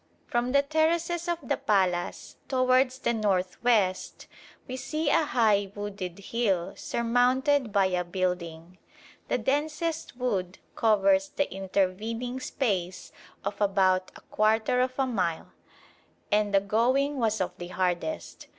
From the terraces of the palace towards the north west we see a high wooded hill surmounted by a building. The densest wood covers the intervening space of about a quarter of a mile, and the "going" was of the hardest.